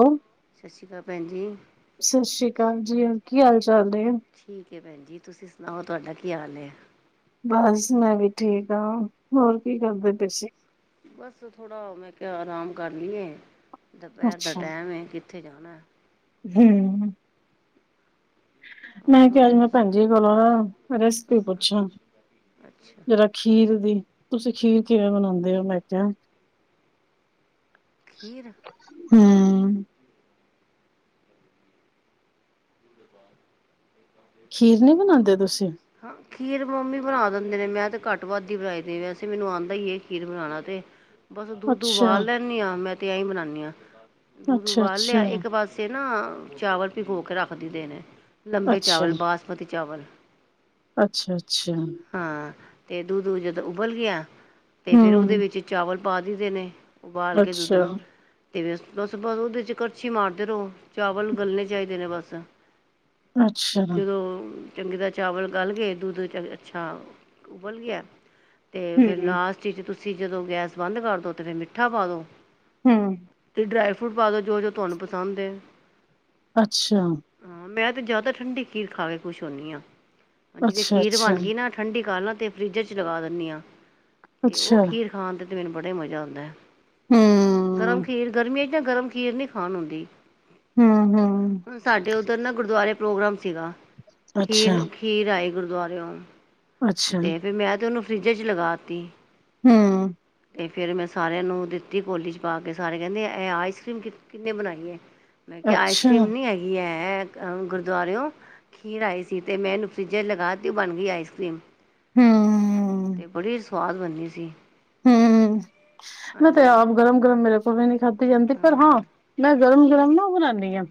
ਉਹ, ਸਤਿ ਸ਼੍ਰੀ ਅਕਾਲ ਭੈਣ ਜੀ ਸਤਿ ਸ੍ਰੀ ਅਕਾਲ ਜੀ ਹਾਂ ਕੀ ਹਾਲ ਚਾਲ? ਚੱਲਦੇ ਆ। ਠੀਕ ਏ, ਭੈਣ ਜੀ ਤੁਸੀਂ ਸੁਣਾਓ ਤੁਹਾਡਾ ਕੀ ਹਾਲ ਏ? ਬਸ ਮੈਂ ਵੀ ਠੀਕ ਹਾਂ, ਹੋਰ ਕੀ ਕਰਦੇ ਪਏ ਸੀ? ਬਸ, ਥੋੜਾ ਮੈਂ ਕਿਹਾ ਆਰਾਮ ਕਰ ਲਾਈਏ। ਦੁਪਹਿਰ ਦਾ ਅੱਛਾ, ਟਾਈਮ ਹੈ ਕਿ ਉੱਥੇ ਜਾਣਾ। ਹੂੰ। ਹੋਰ ਮੈਂ ਕਿਹਾ, ਅੱਜ ਰੋਟੀ ਮੈਂ ਭੈਣਜੀ ਕੋਲੋ ਨਾ ਰੈਸਪੀ ਪੁੱਛਾਂ, ਅੱਛਾ ਜਰਾ ਖੀਰ ਦੀ ਤੁਸੀਂ ਖੀਰ ਕਿਵੇਂ ਬਣਾਉਂਦੇ? ਮੇਰਾ ਬੱਚਾ [unintelligible] ਖੀਰ ਖੀਰ ਨਹੀਂ ਬਣਾਉਂਦੇ ਤੁਸੀਂ ਹਾਂ ਖੀਰ ਮੰਮੀ ਬਣਾ ਦਿੰਦੇ ਨੇ ਮੈਂ ਤੇ ਘੱਟ ਵੱਧ ਹੀ ਬਣਾਈ ਦੇ ਵੈਸੇ ਮੈਨੂੰ ਆਉਂਦਾ ਹੀ ਇਹ ਖੀਰ ਬਣਾਉਣਾ ਤੇ। ਬਸ ਦੁੱਧ ਅੱਛਾ, ੳਬਾਲ ਲੈਂਦੀ ਆਾਂ ਮੈਂ। ਤੇ ਆਉ ਹੀ ਬਨਾਨੀ ਹਾਂ। ਦੁੱਧ ਅੱਛਾ, ਉਬਾਲ ਲਿਆ ਅੱਛਾ, ਇੱਕ ਪਾਸੇ ਨਾ ਚਾਵਲ ਪੀ ਕੇ ਰੱਖ [unintelligible] ਦੇ ਨੇ ਲੰਬੇ ਚਾਵਲ ਅੱਛਾ। ਬਾਸਮਤੀ। ਚਾਵਲ ਅੱਛਾ ਅੱਛਾ ਹਾਂ ਤੇ ਦੁਧ ਜਦੋ ਜਦੋਂ ਉਬਲ ਗਿਆ ਤੇ ਫੇਰ ਉਹਦੇ ਹੂੰ, ਵਿੱਚ ਚਾਵਲ ਪਾ ਦੀ ਨੇ ਉਬਾਲ ਕੇ ਦੁੱਧ ਅੱਛਾ, ਨੂੰ। ਅਤੇ ਬ ਉਹਦੇ 'ਚ ਕੜਛੀ ਮਾਰਦੇ ਰਹੋ ਚਾਵਲ ਗਲਣੇ ਚਾਹੀਦੇ ਨੇ ਬਸ। ਅੱਛਾ, ਜਦੋਂ ਚੰਗੀ ਤਰਾਂ ਦਾ ਚਾਵਲ ਗਾਲ ਕੇਗੇ ਦੁੱਧ ਅੱਛਾ ਉਬਲ ਕੇ ਗਿਆ। ਤੇ ਫੇਰ ਹੂੰ, ਲਾਸਟ ਚ ਤੁਸੀਂ ਤੁਸੀਂ ਜਦੋਂ ਗੈਸ ਬੰਦ ਕਰਦੋ ਤੇ ਫਿਰ ਮਿੱਠਾ ਪਾ ਦੋ। ਹਮ ਤੇ ਡਰਾਈ ਫਰੂਟ ਪਾ ਦਿਉ ਜੋ ਜੋ ਤੁਹਾਨੂੰ ਪਸੰਦ ਏ। ਅੱਛਾ ਹਾਂ ਮੈਂ ਤੇ ਜਿਆਦਾ ਠੰਡੀ ਘੀਰ ਖਾ ਕੇ ਖੁਸ਼ ਹੁਨੀ ਆ [unintelligible] ਅੱਛਾ, ਖੀਰ ਅੱਛਾ, ਬਣ ਗਈ ਨਾ ਠੰਡੀ ਕਰ ਤੇ ਫਰਿਜ ਚ ਲਗਾ ਦਿੰਨੀ ਆ। ਤੇ ਉਹ ਅੱਛਾ, ਖੀਰ ਖਾਣ ਦਿਨ ਬੜਾ ਹੀ ਮਜ਼ਾ ਆਉਂਦਾ ਏ। ਹੂੰ। ਗਰਮ ਖੀਰ ਗਰਮੀਆਂ ਗਰਮ ਖੀਰ ਨੀ ਖਾਣ ਹੁੰਦੀ। ਹਮ ਹਮ ਉਧਰ ਨਾ ਗੁਰਦੁਆਰੇ ਪ੍ਰੋਗਰਾਮ ਸੀਗਾ। ਖੀਰ ਖੀਰ ਆਏਗੀ। ਗੁਰਦੁਆਰਰਿਓ ਤੇ ਫੇਰ ਮੈਂ ਤੇ ਉਹਨੂੰ ਫਰਿੱਜ 'ਚ ਲਗਾ ਤੀ। ਹੂ ਤੇ ਫਿਰ ਮੈਂ ਸਾਰਿਆਂ ਨੂੰ ਦਿੱਤੀ ਕੌਲੀ ਚ ਪਾ ਕੇ ਸਾਰੇ ਕਹਿੰਦੇ ਇਹ ਆਈਸਕ੍ਰੀਮ ਕਿੰਨੇ ਬਣਾਈ ਹੈ ਮੈਂ ਕਿਹਾ ਆਈਸਕ੍ਰੀਮ ਨੀ ਹੈਗੀ ਹੈ ਹੇਤ ਅਹ ਗੁਰਦੁਆਰਓ ਖੀਰ ਆਈ ਸੀ ਤੇ ਮੈ ਨੁ ਫਿਜ ਲਗਾ ਤੀ ਬਣ ਗਈ ਆਈਸ ਕਰੀਮ ਇਹ ਬੜੀ ਸ ਸਵਾਦ ਬਣਨੀ ਸੀ ਹੂ ਮੈਂ ਤੇ ਹਾਂਜੀ ਆਪ ਗਰਮ ਗਰਮ ਮੇਰੇ ਪਵੇ ਨੀ ਖਾ ਜਾਂਦੀ ਪਰ ਹਾਂ ਨਹੀਂ ਗਰਮ ਗਰਮ ਨਾ ਓ ਬਣਾਉਂਦੀ ਹ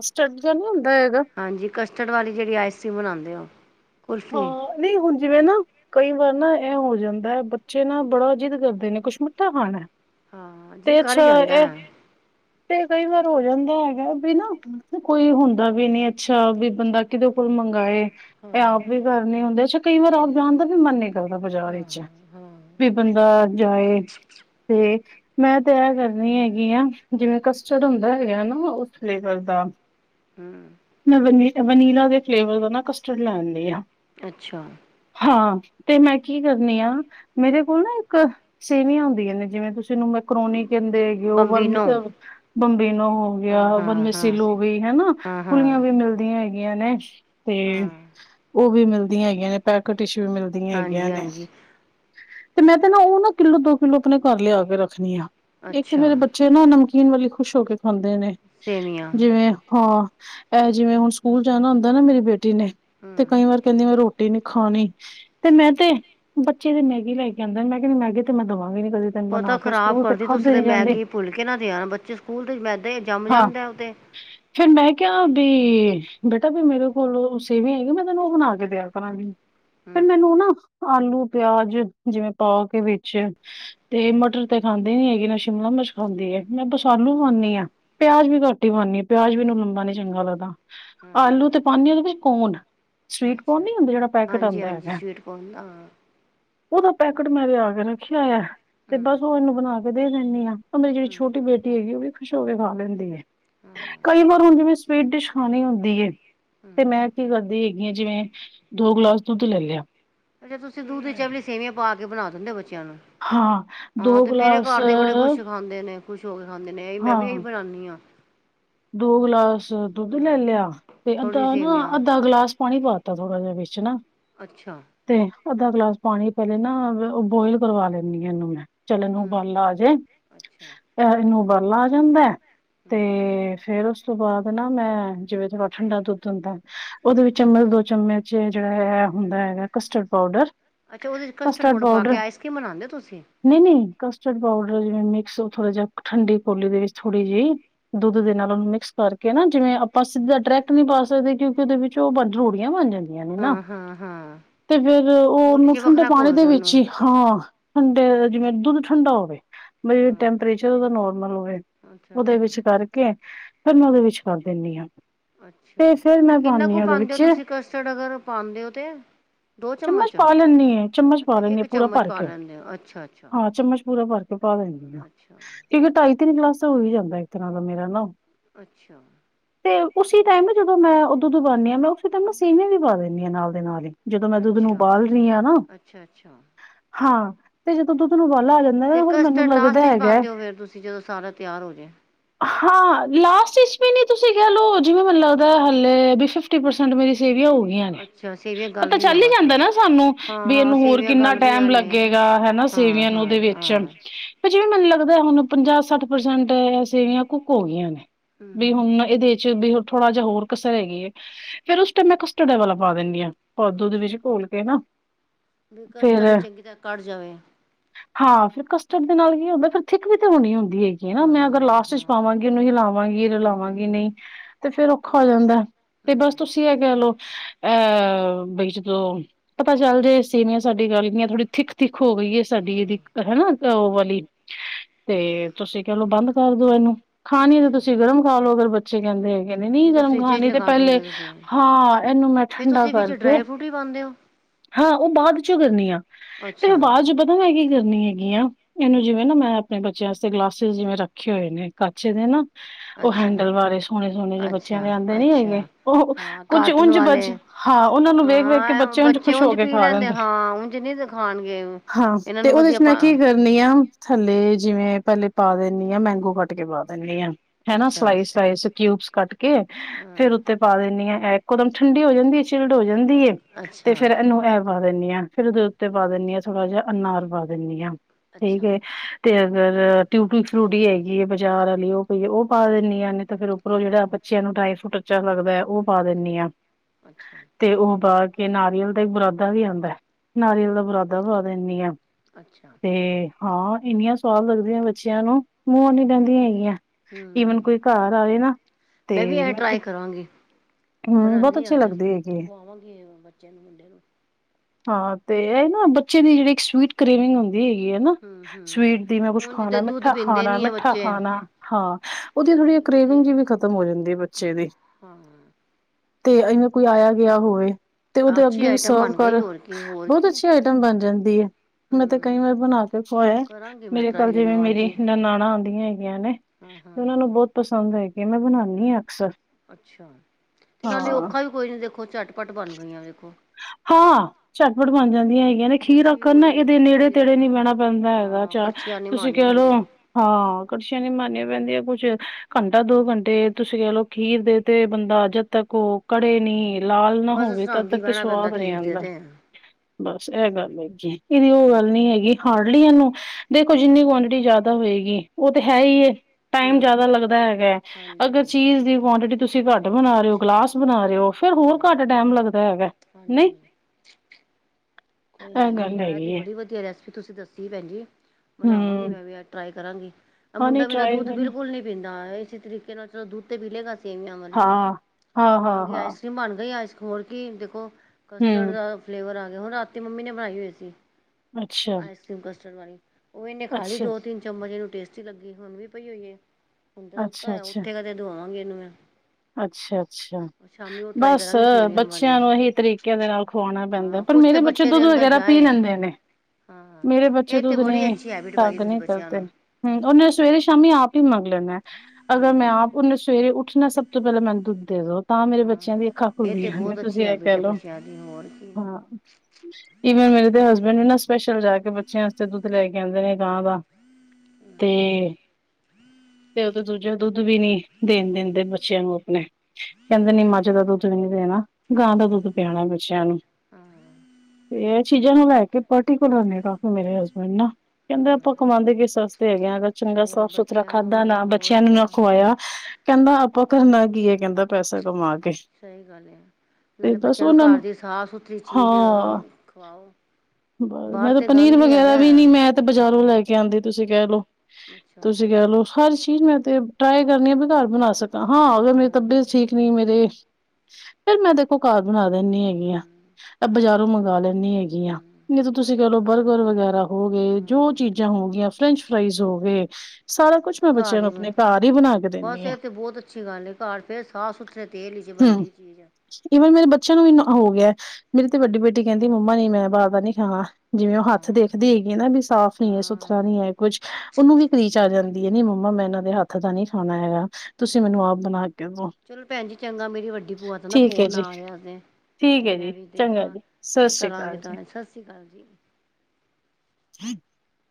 ਅਸਟਜਰ ਨੀ ਹੁੰਦੀ ਹਾਂਜੀ ਕਸਟਰਡ ਵਾਲੀ ਜਿਹੜੀ ਆਈਸ ਸੀ ਬਨਾਦੇ ਹੋ ਕੁਲਫੀ ਹਾਂ ਨਹੀਂ ਹੁਣ ਜਿਵੇਂ ਨਾ ਕਈ ਫੇਰ ਨਾ ਇਹ ਹੋ ਜਾਂਦਾ ਬੱਚੇ ਨਾ ਬੜਾ ਜਿੱਦ ਕਰਦੇ ਨੇ ਕੁਛ ਮਿੱਠਾ ਖਾਣਾ ਹਾਂ ਜੀ ਤੇ ਕਰ ਅੱਛਾ ਹੀ ਜਾਂਦਾ ਇਹ ਤੇ ਕਈ ਵਾਰ ਹੋ ਜਾਂਦਾ ਹੈਗਾ ਵੀ ਨਾ ਕੋਈ ਹੁੰਦਾ ਵੀ ਨਹੀਂ ਅੱਛਾ ਵੀ ਬੰਦਾ ਕਿਦੇ ਕੋਲ ਮੰਗਾਏ ਹਾਂ ਵਿ ਘਰ ਨਹੀਂ ਹੁੰਦੇ ਅੱਛਾ ਕਈ ਵਾਰ ਆਪ ਜਾਣਦਾ ਮਨ ਨਹੀਂ ਕਰਦਾ ਬਾਜ਼ਾਰ ਹਾਂ ਵਿਚ ਹਾਂ ਵੀ ਬੰਦਾ ਜਾਏ ਤੇ ਮੈਂ ਤੇ ਇਹ ਕਰਨੀ ਹੈਗੀ ਆ ਜਿਵੇਂ ਕਸਟਰਡ ਹੁੰਦਾ ਹੈਗਾ ਨਾ ਉਸ ਫਲੇਫਰ ਦਾ ਹਮ ਇਹ ਵਨੀਲਾ ਦੇ ਫਲੇਵਰ ਦਾ ਨਾ ਕਸਟਰਡ ਲੈਣ ਆਦੇ ਆ ਅੱਛਾ ਹਾਂ ਤੇ ਮੈਂ ਕੀ ਕਰਨੀ ਆ ਮੇਰੇ ਕੋਲ ਨਾ ਇੱਕ ਸੇਵੀਆਂ ਹੁੰਦੀਆਂ ਨੇ ਜਿਵੇਂ ਤੁਸੀਂ ਜਿਹਨੂੰ ਮਕਰੋਨੀ ਕਹਿੰਦੇ ਹੈਗੇ ਉਹ ਵਰਮ ਬੰਬੀਨੋ ਬੰਬ ਬੰਬਿਨੋ ਨ ਹੋ ਗਿਆ ਹਾਂ ਹਾਂ ਹਾਂ ਬਨਮਸਿਲ ਹੋ ਗਈ ਹਨਾ ਹਾਂ ਹਾਂ ਫੁਲੀਆਂ ਵੀ ਮਿਲਦੀਆਂ ਨਿਆਣੇ ਏ ਹਾਂ ਉਹ ਵੀ ਮਿਲਦੀਆਂ ਹੈਗੀਆਂ ਨੇ ਪੈਕਿਟ ਵਿਚ ਮਿਲਦੀਆਂ ਹੈਗੀਆਂ ਹਾਂਜੀ ਨੇ ਹਾਂਜੀ ਤੇ ਮੈਂ ਤਾਂ ਓ ਕਿਲੋ ਦੋ ਕਿਲੋ ਆਪਣੇ ਘਰ ਲਿਆ ਕੇ ਰੱਖਣੀ ਆ ਇੱਕ ਅੱਛਾ ਮੇਰੇ ਬੱਚੇ ਨੂੰ ਨਮਕ ਕ੍ਰੀਮ ਵਾਲੀ ਖੁਸ਼ ਹੋ ਕੇ ਖਾਂਦੇ ਨੇ ਸੇਵੀਆਂ ਜਿਵੇਂ ਹਾਂ ਐ ਜਿਵੇਂ ਹੁਣ ਬੱਚੇ ਸਕੂਲ, ਜਾਣਾ ਹੁੰਦਾ ਨਾ ਮੇਰੀ ਬੇਟੀ ਨੇ, ਹਮ ਟੀ ਨੀ ਖਾਣੀ ਤੇ ਮੈਂ ਤੇ ਬੱਚੇ ਤੇ ਮੈਗੀ ਲੈ ਕੇ ਆਂਦੇ ਨੇ ਮੈਂ ਕਹਿ ਮੈਗੀ ਤੇ ਮੈਂ ਦਵਾ ਪਤਾ ਖਰਾਬ ਕਰਦੀ ਤੁਸੀਂ ਤੇ ਜਾਂਦੇ ਮੈਗੀ ਭੁੱਲ ਕੇ ਨਾ ਦੇਆ ਨਾ ਬੱਚੇ ਸਕੂਲ ਤੇ ਮੈਦੇ ਜੰਮ ਹਾਂ ਜਾਂਦਾ ਉਹ ਤੇ, ਫੇਰ ਮੈਂ ਕਿਹਾ ਵੀ ਬੇਟਾ ਵੀ ਮੇਰੇ ਕੋਲ ਸੇਵੀਆਂ ਐ, ਮੈਂ ਤੈਨੂੰ ਉਹ ਬਣਾ ਕੇ ਦਿਆ ਕਰਾਂਗੀ ਫਿਰ ਹਮ ਮੈਨੂੰ ਨਾ ਆਲੂ ਪਿਆਜ ਜਿਵੇਂ ਪਾ ਕੇ ਵਿੱਚ ਤੇ ਮਟਰ ਤੇ ਖਾਂਦੇ ਨੀ ਹੈਗੇ ਨਾ ਸ਼ਿਮਲਾ ਮਿਰਚ ਖਾਂਦੀ ਹੈ, ਮੈਂ ਬਸ ਆਲੂ ਪਾਦੀ ਆਂ ਪਿਆਜ ਵੀ ਘੱਟ ਹੀ ਪਾਦੀ ਆ ਪਿਆਜ ਮੈਨੂੰ ਲੰਬਾ ਨੀ ਚੰਗਾ ਲੱਗਦਾ ਆਲੂ ਤੇ ਪਾਦੀ ਉਹਦੇ ਵਿੱਚ ਕੋਣ ਹਾਂਜੀ-ਹਾਂਜੀ, ਹੈਗਾ ਸਵੀਟ ਕੋਰਨ ਦਾ ਹਾਂ। ਉਹਦਾ ਪੈਕੇਟ ਮੈਂ ਲਿਆ ਕੇ ਰੱਖਿਆ ਹੋਇਆ। ਤੇ ਹਮ ਬਸ ਉਹ ਇਹਨੂੰ ਬਣਾ ਕੇ, ਤੇ ਦੇ ਦਿੰਨੀ ਆਂ। ਉਹ ਮੇਰੀ ਜਿਹੜੀ ਹਮ ਛੋਟੀ ਬੇਟੀ ਹੈਗੀ ਔ ਵੀ ਇਕ ਪਿਛੋ ਵੀ ਖਾ ਲੈਂਦੀ ਏ, ਹਾਂ ਕਈ ਵਾਰ ਹੁਣ ਜਿਵੇਂ ਸਵੀਟ ਡਿਸ਼ ਖਾਣੀ ਹੁੰਦੀ ਏ, ਤੇ ਹਮ ਮੈਂ ਕੀ ਕਰਦੀ, ਜਿਵੇਂ ਦੋ ਗਲਾਸ ਦੁੱਧ ਲੈ ਲਿਆ। ਅੱਛਾ ਤੁਸੀਂ ਦੂੱਧ ਚ ਏ ਵਾਲੀ ਸੇਵੀਆਂ ਪਾ ਕੇ ਬਣਾ ਦਿੰਦੇ ਹੋ ਬੱਚਿਆਂ ਨੂੰ ਹਾਂ ਨੂੰ ਹਾਂ ਤੇ ਮੇਰੇ ਗਲਾਸ ਘਰ ਦੇ ਬੜੇ ਖੁਸ਼ ਖਾਂਦੇ ਨੇ, ਖੁਸ਼ ਹੋ ਗਿਆ। ਖਾਂਦੇ ਨੇ ਮੈਂ ਵੀ ਇਹੀ ਬਣਾਨੀ ਆਂ। ਦੋ ਗਲਾਸ ਦੁੱਧ ਲੈ ਲਿਆ ਤੇ ਅੱਧਾ ਥੋੜ੍ਹੀ ਨਾ ਸੇਵੀਆਂ ਅੱਧਾ ਗਿਲਾਸ, ਪਾਣੀ ਪਾ ਤਾ ਥੋੜਾ ਜਿਹਾ ਵਿੱਚ ਨਾ, ਅੱਛਾ, ਤੇ ਅੱਧਾ ਗਲਾਸ ਪਾਣੀ ਪਹਿਲੇ ਨਾ ਉਹ ਬੋਇਲ ਕਰਵਾ ਲੈਂਨੀ ਆ ਇਹਨੂੰ ਮੈਂ, ਚੱਲਣ ਨੂੰ ਹੂੰ ਉਬਾਲਾ ਆ ਜੇ ਅੱਛਾ ਫੇਰ ਇਹਨੂੰ ਉਬਾਲਾ ਆ ਜਾਂਦਾ, ਹੂੰ ਤੇ, ਫੇਰ ਉਸ ਤੋਂ ਬਾਅਦ ਨਾ ਮੈਂ ਜਿਵੇਂ ਥੋੜਾ ਠੰਢਾ ਦੁੱਧ ਹੁੰਦਾ। ਉਹਦੇ ਹੂੰ ਵਿੱਚ ਚਮਲ ਦੋ ਚੰਮੇ ਵਿੱਚ ਜਿਹੜਾ ਹੈ ਹੁੰਦਾ ਹੈਗਾ ਕਸਟਰਡ ਪਾਊਡਰ, ਅੱਛਾ ਉਹਦੇ ਚ ਕਸਟਰਡ ਪੋਡਰ ਪਾ ਕੇ ਆਈਸਕ੍ਰੀਮ ਬਣਾਉਂਦੇ ਹੋ ਤੁਸੀਂ ਨਹੀਂ-ਨਹੀਂ ਕਸਟਰਡ ਪਾਊਡਰ ਜਿਵੇਂ ਮਿਕਸ ਉਹ ਥੋੜਾ ਜਿਹਾ ਠੰਡੀ ਕੋਲੀ ਦੇ ਵਿੱਚ ਥੋੜੀ ਜਿਹੀ ਦੁੱਧ ਦੇ ਨਾਲ ਉਨੂੰ ਮਿਕਸ ਕਰਕੇ ਨਾ ਜਿਵੇਂ ਆਪਾਂ ਸਿੱਧਾ ਡਾਇਰੈਕਟ ਨਹੀਂ ਪਾ ਸਕਦੇ ਕਿਉਂਕਿ ਉਹਦੇ ਵਿੱਚ ਉਹ ਬਣ ਰੋੜੀਆਂ ਬਣ ਜਾਂਦੀਆਂ। ਬਣ ਜਾਂਦੀਆ ਨੇ ਨਾ ਹਾਂ ਹਾਂ ਹਾਂ ਤੇ ਫੇਰ ਕੋਲੀ ਉਹਨੂੰ 'ਚ ਠੰਡੇ ਵੱਖਰਾ ਪਾਣੀ ਦੇ ਘੋਲਦੇ ਵਿੱਚ ਉਹਨੂੰ ਹੀ ਹਾਂ। ਠੰਡੇ ਦੇ ਜਿਵੇਂ ਦੁੱਧ ਠੰਡਾ ਹੋਵੇ ਬੀ ਹਾਂ ਟੈਂਪਰੇਚਰ ਉਹਦਾ ਨੋਰਮਲ ਹੋਵੇ ਅੱਛਾ ਉਹਦੇ ਅੱਛਾ ਵਿੱਚ ਕਰਕੇ ਉਹਦੇ ਵਿੱਚ ਕਰ ਦਿੰਦੀ ਆ। ਅੱਛਾ ਕਿੰਨਾ ਕੁ ਪਾਉਦੇ ਹੋ, ਵਿੱਚ ਤੁਸੀਂ ਕਸਟਰਡ ਅਗਰ ਪਾਉਂਦੇ ਹੋ ਤੇ, ਦੋ ਚਮਚ ਪਾ ਲੈਂਦੀ ਹੈ ਚਮਚ ਪਾ ਅੱਛਾ ਲੈਂਦੀ ਹਾਂ ਇੱਕ ਪੂਰਾ ਚਮਚ ਭਰ ਪਾ ਕੇ ਲੈਂਦੇ ਹੋ, ਅੱਛਾ ਅੱਛਾ ਹਾਂ ਚਮਚ ਪੂਰਾ ਭਰ ਕੇ ਪਾ ਦਿੰਦੀ ਹਾਂ ਅੱਛਾ। ਕਿਉਂਕਿ ਢਾਈ ਤਿੰਨ ਕਲਾਸ ਹੋਈ ਜਾਂਦਾ, ਇੱਕ ਤਰ੍ਹਾਂ ਦਾ ਮੇਰਾ ਨਾ। ਅੱਛਾ ਤੇ ਉਸੀ ਟਾਈਮ, ਜਦੋਂ ਮੈਂ ਉਹ ਦੁੱਧ ਉਬਨੀ ਆ, ਮੈਂ ਉਸ ਟਾਈਮ ਮੈਂ ਸੀੇਵੇਂ ਵੀ ਪਾ ਦਿੰਦੀ ਹਾਂ ਨਾਲ ਦੇ ਨਾਲ ਹੀ। ਜਦੋਂ ਮੈਂ ਦੁੱਧ ਨੂੰ ਅੱਛਾ ਉਬਾਲ ਰਹੀ ਆ ਨਾ, ਅੱਛਾ ਅੱਛਾ ਹਾਂ। ਤੇ ਜਦੋਂ ਦੁੱਧ ਨੂੰ ਉ ਤੇ ਕਸਟਰਡ ਲਾਸਟ ਚ ਪਾਉਂਦੇ ਹੋਵੇ ਤੁਸੀਂ, ਜਦੋਂ ਸਾਰਾ ਤਿਆਰ ਹੋ ਜੇ ਹਾਂ ਲਾਸਟ ਵਿੱਚ ਵੀ ਨੀ, ਤੁਸੀਂ ਕਹਿ ਲਓ, ਜਿਵੇਂ ਮੈਨੂੰ ਲੱਗਦਾ ਹਾਲਲੇ ਵੀ ਫਿਫਟੀ ਪਰਸੈਂਟ ਮੇਰੀ ਸੇਵੀਆਂ ਹੋ ਗਈਆਂ ਨੇ, ਅੱਛਾ ਸੇਵੀਆਂ ਗਲ ਪਤਾ ਚੱਲ ਗਈਆਂ ਹੀ ਬਸ ਜਾਂਦਾ ਨਾ ਸਾਨੂੰ ਹਾਂ ਵੀ ਹਾਂ ਇਹਨੂੰ ਹੋਰ ਸੇਵੀਆਂ ਕਿੰਨਾ ਗਲ ਟਾਈਮ ਗਈਆਂ ਨੇ ਲੱਗੇਗਾ ਹਨਾ ਹਾਂ ਸੇਵੀਆਂ ਨੂੰ ਹਾਂ ਉਹਦੇ ਹਾਂ ਵਿੱਚ ਜਿਵੇਂ ਮੈਨੂੰ ਲੱਗਦਾ ਹੁਣ ਪੰਜਾਹ ਸੱਠ ਪ੍ਰਸੈਂਟਸੇ ਸੇਵੀਆਂ ਕੁੱਕ ਹੋ ਗਈਆਂ ਨੇ। ਹਮ ਵੀ ਹਮ ਹੁਣ, ਇਹਦੇ ਚ ਵੀ ਥੋੜਾ ਜਿਹਾ ਹੋਰ ਕਸਰ ਹੈਗੀਏ, ਫੇਰ ਉਸ ਟਾਈਮ ਮੈਂ ਕਸਟ ਕਸਟਡ ਵਲ ਪਾ ਦਿੰਦੀ ਆ ‌। ਪੌਦੋ ਅੱਛਾ ਵਿੱਚ ਘੋਲ ਕੇ ਨਾ ਵੀ ਫਿਰ ਕਸ਼ਟਡ ਵੀ ਚੰਗੀ ਤਰ੍ਹਾਂ ਕੜ ਜਾਵੇ। ਹਾਂ, ਫਿਰ ਕਸਟਰਡ ਦੇ ਨਾਲ ਕੀ ਹੁੰਦਾ, ਫਿਰ ਥਿੱਕ ਵੀ ਤਾਂ ਹੋਣੀ ਹੁੰਦੀ ਦੀ ਹੈਗੀ ਆ ਨਾ, ਮੈਂ ਹਾਂ ਅਗਰ ਹਾਂ ਲਾਸਟ ਚ ਹਾਂ ਪਾਵਾਂਗੀ, ਉਹਨੂੰ ਹਿਲਾਵ ਰਲਾ ਹਮ ਹਮ ਵਾਂਗੇ ਹਮ ਨਹੀਂ ਤੇ ਫੇਰ, ਔਖਾ ਹੋ ਜਾਂਦਾ ਆ। ਤੇ ਬਸ, ਹਮ ਤੁਸੀਂ ਇਹ ਕਹਿ ਲਓ। ਅਹਹ, ਬਈ ਜਦੋਂ ਪਤਾ ਚੱਲ ਜੇ, ਸੇਵੀਆਂ ਸਾਡੀ ਗੱਲ ਗਈਆਂ, ਥੋੜ੍ਹੀ ਥਿੱਕ ਥਿੱਕ ਹੋ ਗਈ ਐ, ਸਾਡੀ ਇਹਦੀ ਹਾਂ ਹਨਾ ਉਹ ਵਾਲੀ, ਤੇ ਤੁਸੀਂ ਕਹਿਲੋ ਬੰਦ ਕਰਦੋ ਇਹਨੂੰ ਖਾਣੀ ਤੇ ਅੱਛਾ ਤੁਸੀਂ ਗਰਮ ਖਾ ਲਓ ਅਗਰ ਬੱਚੇ ਹਮ ਕਹਿੰਦੇ ਹੈਗੇ ਨੇ, ਨਹੀਂ ਤਾਂ ਗਰਮ ਫਰਿੱਜ 'ਚ ਖਾਣੀ ਤੇ ਲਗਾ ਦਿੰਦੇ ਪਹਿਲੇ ਹੋ ਤੁਸੀਂ ਹਾਂ, ਇਹਨੂੰ ਮੈਂ ਫਿਰ ਠੰਡਾ ਤੁਸੀਂ ਵਿੱਚ ਕਰਕੇ ਡਰਾਈ ਫਰੂਟ ਵੀ ਪਾਉਂਦੇ ਹੋ ਹਾਂ, ਉਹ ਬਾਅਦ ਚ ਕਰਨੀ ਆ, ਤੇ ਫਿਰ ਅੱਛਾ ਬਾਅਦ ਚ ਪਤਾ ਫੇਰ ਇਹ ਕੀ ਕਰਨੀ ਹੈਗੀ ਆ, ਇਹਨੂੰ ਜਿਵੇਂ ਨਾ ਮੈਂ ਆਪਣੇ ਬੱਚਿਆਂ ਵਾਸਤੇ ਗਲਾਸਿਸ, ਜਿਵੇਂ ਰੱਖੇ ਹੋਏ ਨੇ ਕੱਚੇ ਦੇ ਨਾ। ਉਹ ਅੱਛਾ ਹੈਂਡਲ ਬਾਰੇ ਸੋਹਣੇ ਸੋਹਣੇ ਜਿਹੇ ਬੱਚਿਆਂ ਅੱਛਾ ਲਿਆਂਂਦੇ ਨੀ ਹੈਗੇ, ਅੱਛਾ ਉਹ ਹਾਂ ਕੁੱਝ ਕਾਰਟੂਨ ਉੰਝ ਵਾਲੇ ਬਜ ਹਾਂ, ਉਹਨਾਂ ਨੂੰ ਵੇਖ ਵੇਖ ਕੇ ਹਾਂ ਬੱਚੇ ਉਝ ਖੁਸ਼ ਹੋ ਉਂਝ ਕੇ ਪੀ ਖਾ ਲੈਂਦੇ ਦਿੰਦੇ ਹਾਂ ਉਂਝ ਨਹੀਂ ਦਿਖਾਣਗੇ ਹਾਂ, ਇਹਨਾਂ ਤੇ ਨੂੰ ਉਹਦੇ ਵਧੀਆ ਚ ਮੈਂ ਪਾ ਕੀ ਕਰਨੀ ਆ ਥੱਲੇ ਜਿਵੇਂ ਪਹਿਲੇ ਪਾ ਦਿੰਦੀ ਆ, ਮੈਂਗੋ ਕੱਟ ਕੇ ਪਾ ਦਿੰਦੀ ਆ। ਹਨਾ, ਅੱਛਾ ਸਿਲਾਈ ਸਿਲਾਈ ਕਿਊਬਸ ਕੱਟ ਕੇ, ਫੇਰ ਹਾਂ ਉੱਤੇ ਪਾ ਦੇ ਨੀ ਆ। ਐ ਇਕੋ ਕਦਮ ਠੰਡੀ ਹੋ ਜਾਂਦੀ ਆ, ਚਿਲਡ ਹੋਈ ਜਾਂਦੀ ਐ, ਤੇ ਅੱਛਾ ਫੇਰ ਇਹਨੂੰ ਇਹ ਵ ਪਾ ਦਿੰਦੀ ਆ, ਫੇਰ ਉਹਦੇ ਉੱਤੇ ਪਾ ਦਿੰਦੀ ਆ, ਥੋੜਾ ਜਿਹਾ ਅਨਾਰ ਪਾ ਦਿੰਦੀ ਆ। ਠੀਕ ਅੱਛਾ ਏ। ਤੇ ਅਗਰ ਟਿਊਟੀ ਫਰੂਟੀ ਹੈਗੀ ਹੈਏ ਬਾਜ਼ਾਰ ਵਾਲੀ ਉਹ ਹੋ ਉਹ ਪਾ ਦਿੰਦੀ ਆ ਨੇ। ਤੇ ਫਿਰਰੱਪਰੋਂ ਹਮ ਜਿਹੜਾ ਬੱਚਿਆਂ ਨੂੰ ਟਾਇਰ ਟੱਚਾ ਲੱਗਦਾ ਹੈ ਉਹ ਪਾ ਦਿੰਨੀ ਹਾਂ। ਅੱਛਾ ਤੇ ਉਹ ਬਾਅਦ ਕਿ ਨਾਰੀਅਲ ਦਾ ਇੱਕ ਬਰਾਦਾ ਵੀ ਆਉਂਦਾ ਨਾਰੀਅਲ ਦਾ ਬਰਾਦਾ ਵਦਾ ਇਨੀ ਆ। ਅੱਛਾ। ਤੇ ਹਾਂ ਇੰਨੀਆਂ ਸਵਾਦ ਲੱਗਦੀਆਂ ਬੱਚਿਆਂ ਨੂੰ ਮੂੰਹ ਨੀ ਰਹਿੰਦੀਆਂ ਹੈਗੀਆਂ। ਈਵਨ ਹਮ ਕੋਈ ਘਰ ਆਵੇ ਨਾ ਤੇ ਮੈਂ ਤੇ। ਹੂੰ ਬਹੁਤ ਬਣਾਉਾਨਦੇ ਹ ਅੱਛੇ ਅੱਜ ਲੱਗਦੇ ਹੈਗੇ ਖਵਾਵਾਂਗੇ ਬੱਚਿਆਂ ਨੂੰ ਮੁੰਡੇ ਨੂੰ ਹਾਂ ਤੇ ਇਹ ਨਾ ਬੱਚੇ ਦੀ ਜਿਹੜੀ ਇੱਕ ਸਵੀਟ ਕਰੇਵਿੰਗ ਹੁੰਦੀ। ਹੈਗੀ ਹੈ ਨਾ ਹਮ ਹਮ ਸਵੀਟ ਦੀ ਮੈਂ ਕੁਛ ਉਂਝ ਤੇ ਖਾਣਾ ਦੁੱਧ ਮਿੱਠਾ ਪੀਂਦੇ ਖਾਣਾ ਨੀ ਹੈ ਮਿੱਠਾ ਬੱਚੇ ਖਾਣਾ ਹਾਂ ਉਹਦੀ ਤੇ ਥੋੜੀ ਅਸੀਂ ਕਰੇਵਿੰਗ ਜ ਵੀ ਖ਼ਤਮ ਹੋ ਜਾਂਦੀ ਹੈ ਬੱਚੇ ਦੀ ਹਾਂ ਤੇ ਇਂ ਕੋਈ ਆਇਆ ਗਿਆ ਹੋਵੇ। ਤੇ ਉਹਦੇ ਅੱਛੀ ਅੱਗੇ ਵੀ ਆਈਟਮ ਸਰਵ ਬਣ ਗਈ ਕਰ ਹੋਰ ਕੀ ਹੋਰ ਬਹੁਤ ਕੀ ਅੱਛੀ ਆਈਟਮ ਬਣ ਜਾਂਦੀ। ਹੈ। ਮੈਂ ਤੇ ਕਈ ਹਮ ਵਾਰ ਬਣਾ ਕੇ ਖਵਾਇਆ ਕਰਾਂਗੀ ਮੈਂ ਮੇਰੇ ਕਲ ਟਰਾਈ ਜਿਵੇਂ ਇਹਨੂੰ ਅੱਜ ਮੇਰੀ ਹੀ ਨਨਾਣਾਂ ਆਉਂਦੀਆਂ ਹੈਗੀਆਂ ਨੇ ਹਾਂ ਤੇ ਹਾਂ ਉਹਨਾ ਨੂੰ ਬਹੁਤਸ ਪਸੰਦ ਹੈ ਕਿ ਮੈਂ ਬਣਾਉਦੀ ਹਾਂ ਅਕਸਰ ਅੱਛਾ ਤੇ ਨਾਲੇ ਹਾਂ ਔਖਾ ਵੀ ਕੋਈ ਨੀ ਦੇਖੋ ਝੱਟ ਪੱਟ ਬਣ ਗਈਆਂ ਦੇਖੋ। ਹਾਂ ਝਟਪਟ ਬਣ ਜਾਂਦੀਆਂ ਹੈਗੀਆਂ ਨੇ ਖੀਰ ਔਖੀ ਵੀ ਆਖਣ ਨਾ ਕੋਈ ਨਹੀਂ ਇਹਦੇ ਨੇੜੇ ਕੀ ਤੇੜੇ ਨੀ ਰੱਖਣਾ ਬਹਿਣਾ ਪੈਂਦਾ ਹੈਗਾ ਹਾਂ ਚ ਕੜਛੀਆਂ ਨਹੀਂ ਤੁਸੀਂ ਮਾਰਨੀਆਂ ਕਹਿ ਲਓ ਪੈਂਦੀਆਂ ਹਾਂ। ਕੜਛੀਆਂ ਨੀ ਮਾਰਨੀਆਂ ਪੈਂਦੀਆਂ ਕੁਛ ਘੰਟਾ ਦੋ ਘੰਟੇ ਤੁਸੀਂ ਕਹਿ ਲਓ ਖੀਰ ਦੇ ਤੇ ਬੰਦਾ ਜ ਤੱਕ ਉਹ ਕੜੇ ਹਾਂ ਨਹੀਂੀ ਲਾਲ ਨਾ ਬਸ ਹੋਵੇ ਤਦ ਸਰਹੰਦ ਹੀ ਤੱਕ। ਤੇ ਬਹਿਣਾ ਪੈਂਦਾ ਸਵਾਦ ਨਹੀਂ ਖੀਰ ਦੇ ਆਉਂਦਾ ਤੇ ਬਸ ਇਹ ਗੱਲ ਹੈਗੀ। ਇਹਦੀ ਉਹ ਗੱਲ ਹਾਂਜੀ ਨੀ ਹੈਗੀ ਹਾਰਡ। ਲੀ ਇਹਨੂੰ ਦੇਖੋ ਜਿੰਨੀ ਕੁਆਂਟਿਟੀ ਜਿਆਦਾ ਹੋਏਗੀ ਉਹ ਤੇ ਹੈ ਹੀ। ਹੂੰ ਟਾਈਮ ਜਿਆਦਾ ਹੂੰ ਲੱਗਦਾ ਹੈਗਾ ਹੈ ਹਾਂਜੀ ਅਗਰ ਹਾਂਜੀ ਚੀਜ਼ ਦੀ ਕੁਆਂਟਿਟੀ ਤੁਸੀਂ ਘੱਟ ਬਣਾ ਰਹੇ ਹੋ ਗਲਾਸ ਬਣਾ ਰਹੇ ਹੋ। ਫੇਰ ਹੋਰ ਹੂੰ ਘੱਟ ਟਾਈਮ ਲੱਗਦਾ ਹੈਗਾ। ਨਹੀਂ ਹਾਂਜੀ। ਕੋਈ ਨੀ ਇਹ ਉਹਨਾ ਗੱਲ ਤੋਂ ਆਇਆ ਤੇ ਹੈਗੀ ਹੈ ਬੜੀ ਵਧੀਆ ਲ। ਰੈਸਪੀ ਤੁਸੀਂ ਦੱਸੀ ਭੈਜੀ। ਬਣਾਵਾਂਗੀ ਹਮ ਮੈਂ ਵੀ ਟਰਾਈ ਕਰਾਂਗੀ ਆ ਹਾਂ ਨਹੀਂ ਮੁੰਡਾ ਮੇਰਾ ਟਰਾਈ ਦੁੱਧ ਕਰ, ਬਿਲਕੁਲ ਨੀ ਪੀਂਦਾ। ਨਾ ਇਸੇ ਤਰੀਕੇ ਨਾਲ ਚਲੋ ਦੁੱਧ ਤੇ ਪਿਲੇਗਾ। ਸੇਵੀਆਂ ਵਾਲੀ ਹਾਂ ਹਾਂ ਹਾਂ ਆਈਸ ਹਾਂ ਕਰ੍ਰੀਮ ਬਣ ਗਈ ਆਈਸ ਹੋਰ ਕੀ ਦੇਖੋ। ਕਸਟਡ ਹਮ ਦਾ ਫਲੇਵਰ ਆ ਹੁਣ ਰਾਤ ਤੇ ਮੰਮੀ ਨੇ ਬਣਾਈ ਹੋਈ ਸੀ ਅੱਛਾ ਆਈਸ ਕਰ੍ਰੀਮ ਕਸਟਡ ਵਾਲੀ। ਉਹ ਇਹਨੇ ਖਾਲੀ ਅੱਛਾ ਦੋ ਤਿੰਨ ਚਮਚ ਇਹਨ ਟੇਸਟੀ ਲੱਗੀ ਹੁਣ ਵੀ ਪਈ ਹੋਈ ਏ। ਹੁਣ ਤਾਂ ਅੱਛਾ ਸੁੱਤਾ ਅੱਛਾ ਉੱਠੇ ਕ ਤੇ ਦਵਾਵਾਂਗੇ। [unintelligible] ਅੱਛਾ ਅੱਛਾ ਸ਼ਾਮੀ ਉਹ ਟਰਾਈ ਬਸ ਕਰਾਂਗੇ ਸੇਵੀਆਂ ਵਾਲੀ ਬੱਚਿਆਂ ਨੂੰ ਅਹੀ ਤਰੀਕੇਆਂ ਦੇ ਨਾਲ ਖੁਵਾਉਣਾ ਪੈਂਦਾ ਏ, ਹਾਂ ਪਰ ਕੁਛ ਤਾਂ ਮੇਰੇ ਬੱਚੇ ਦੇ ਦੁੱਧ ਅੰਦਰ ਵਗੈਰਾ ਪੀ ਜਾਏ ਆ ਲੈਂਦੇ ਨੇ ਹਾਂ ਮੇਰੇ ਬੱਚੇ ਇਹ ਤਾਂ ਦੁੱਧ ਨੇ ਬੜੀ ਅੱਛੀ ਹੈਬਿਟ ਪਾਈ ਤੰਗ ਤੁਸੀਂ ਨਹੀਂ ਬੱਚਿਆਂ ਕਰਦੇ ਨੂੰ ਨੇ ਹਮ ਉਹਨੇ ਸਵੇਰੇ ਸ਼ਾਮ ਆ ਮਗਲੇ ਨੇ ਅਗਰ ਮੈਂ ਹਾਂਜੀ ਆਪ ਉਹਨੇ ਸਵੇਰੇ ਉੱਠ ਣਾ ਸਭ ਤੋਂ ਪਹਿਲਾਂ ਮੈਨੂੰ ਦੁੱਧ ਦੇ ਦੋ। ਤਾਂ ਮੇਰੇ ਹਾਂ ਬੱਚਿਆਂ ਦੀਆਂ ਅੱਖਾਂ ਇਹ ਤਾਂ ਖੁੱਲਦੀਆਂ ਨੇ ਬਹੁਤ ਤੁਸੀਂ ਅੱਛੀ ਇਹ ਹੈਬਿਟ ਕਹਿ ਹੈ ਲਓ ਬੱਚਿਆਂ ਦੀ ਹੋਰ ਕੀ ਹਾਂ। [unintelligible] ਈਵਨ ਮੇਰੇ ਦੇ ਹਸਬੈਂਡ ਨਾ ਸਪੈਸ਼ਲ ਜਾ ਕੇ ਬੱਚਿਆਂ ਵਾਸਤੇ ਦੁੱਧ ਲੈ ਕੇ ਆਉਂਦੇ ਨੇ ਗਾਂ ਦਾ ਤੇ ਤੇ ਉਹਦੇ ਦੂਜੇ ਦੁੱਧ ਵੀ ਨੀ ਦੇਣ ਦਿੰਦੇ। ਬੱਚਿਆਂ ਨੂੰ ਆਪਣੇ ਕਹਿੰਦੇ ਨੀ ਮੱਝ ਦਾ ਦੁੱਧ ਨੀ ਦੇਣਾ ਗਾਂ ਦਾ ਦੁੱਧ ਪਿਆਣਾ ਬੱਚਿਆਂ ਨੂੰ। ਹੂੰ ਤੇ ਇਹ ਚੀਜ਼ਾਂ ਨੂੰ ਲੈ ਕੇ ਪਰਟੀਕੁਲਰ ਨੇ ਕਾਫੀ ਮੇਰੇ ਹਸਬੈਂਡ ਨਾ ਕਹਿੰਦੇ ਹਾਂ ਆਪਾਂ ਕਮਾਉਂਦੇ ਕਿਸ ਲੲ? ਸਸਤੇ ਹੈਗੇ ਅਰ ਚੰਗਾ ਸਹੀ ਗੱਲ ਸਾਫ਼ ਸੁਥਰਾ ਬੱਚਿਆਂ ਨੂੰ ਖਾਧਾ ਨਹੀਂ ਨਾ ਹੋਰ ਬੱਚਿਆਂ ਨੂੰ ਨਾ ਕਿਆ ਖਵਾਇਆ ਕਹਿੰਦਾ ਆਪ ਕਰਨਾ ਕੀ ਹੈ ਕਹਿੰਦਾ ਪੈਸਾ ਕਮਾ ਕੇ? ਸਹੀ ਗੱਲ ਏ ਤੇ ਨਾਲੇ ਬਸ ਬੱਚਿਆਂ ਨੂੰ ਉਹਨਾਂ ਘਰ ਦੀ ਸਾਫ ਸੁਥਰੀ ਚੀਜ਼ ਹਾਂ ਖਵਾਓ ਬਾਹਰ ਮੈਂ ਤਾਂ ਤੇ ਗੰਧ ਹੀ ਹੈਗਾ। ਕ ਆਂਦੀ ਤੁਸੀਂ ਕਹਿ ਲਓ। ਅੱਛਾ ਤੁਸੀਂ ਹਾਂ ਕਹਿ ਲੋਓ ਹਰ ਚੀਜ਼ ਮੈਂ ਤੇ ਟਰਾਈ ਕਰਨੀ ਆ ਵੀ ਘਰ ਬਣਾ ਹਾਂ ਉਹ ਗਿਆ ਮੇਰੀ ਤਬੀਅਤ ਠੀਕ ਨਹੀ ਮੇਰੀ ਫੇਰ ਮੈਂ ਦੇਖੋ ਘਰ ਬਣਾ ਨੀ ਹੈਗੀਆਂ ਹੂੰ। ਇਹ ਬਜ਼ਾਰੋਂ ਮੰਗ ਨਾਲੇ ਨਹੀਂ ਹੈਗੀੀਆਂ ਨਹੀਂ ਤਾਂ ਤੁਸੀਂ ਚਲੋ ਬਰਗਰ ਵਗੈਰਾ ਹੋ ਗਏ ਜੋ ਚੀਜ਼ਾਂ ਹੋਗੀਆਂ ਫਰੈਂਚ ਫਰਾਈਸ ਹੋ ਗਏ। [inaudible] ਸਾਰਾ ਕੁਛ ਮੈਂ ਘਰ ਬੱਚਿਆਂ ਨੂੰ ਹੀ ਬ ਆਪਣੇ ਘਰ ਹੀ ਬਣਾ ਕੇ ਦਿੰਦੀ ਬਸ ਹਾਂ। ਇਹ ਤਾਂ ਬਹੁਤ ਅੱਛੀ ਗੱਲ ਨੀ ਘਰ ਫੇਰ ਸਾਫ਼ ਸੁਥਰੇ ਤੇਲ ਚ ਹਮ ਬਣਦੀ ਚੀਜ਼। ਈਵਨ ਮੇਰੇ ਬੱਚਿਆਂ ਨੂੰ ਵੀ ਹੋ ਗਿਆ ਮੇਰੀ ਤੇ ਵੱਡੀ ਬੇਟੀ ਕਹਿੰਦੀ ਮੰਮਾ ਨੀ ਮੈਂ ਬਾਹਰ ਦਾ ਨੀ ਖਾਵਾਂ। ਜਿਵੇਂ ਉਹ ਹੱਥ ਹਾਂ ਦੇਖਦੇ ਹੈਗੇ ਆ ਨਾ ਵੀ ਸਾਫ਼ ਨੀ ਹੈ ਸੁਥਰਾ ਹਾਂ ਨੀ ਹੈ ਕੁੱਛ ਉਹਨੂੰ ਵੀ ਕੀਚ ਆ ਜਾਂਦੀ ਹੈ ਨੀ ਮੰਮਾ ਮੈਂ ਇਹਨਾਂ ਦੇ ਹੱਥ ਦਾ ਨੀ ਖਾਣਾ ਹੈਗਾ ਤੁਸੀਂ। ਮੈਨੂੰ ਆਪ ਬਣਾ ਕੇ ਦੋ ਚਲੋ ਭੈਣ ਜੀ ਚੰਗਾ ਮੇਰੀ ਵੱਡੀ ਭੂਆ ਤੇ ਨਾ ਠੀਕ ਹੈ ਫੋਨ ਜੀ ਆ ਲਿਆ ਤੇ ਠੀਕ ਤੇ ਹੈ ਲਿਆ ਜੀ ਵੀ ਚੰਗਾ ਦੇਖਾਂ ਜੀ ਸਤਿ ਤੇ ਸ੍ਰੀ ਕਰਾਂਗੇ ਅਕਾਲ ਤਾਂ ਜੀ ਸਤਿ ਸ੍ਰੀ ਅਕਾਲ ਜੀ। [inaudible]